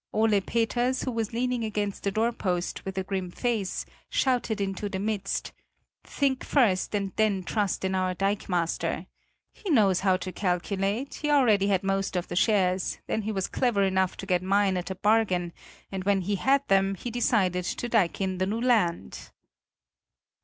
Ole Peters who was leaning against the doorpost with a grim face, shouted into the midst: "Think first and then trust in our dikemaster! He knows how to calculate; he already had most of the shares, then he was clever enough to get mine at a bargain, and when he had them, he decided to dike in the new land."